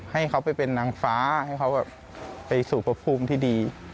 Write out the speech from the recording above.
ให้เขาไปเป็นนางฟ้าให้เขาไปสู่พระภูมิที่ดี